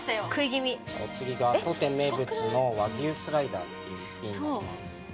お次が当店名物の和牛スライダーっていうひと品になります。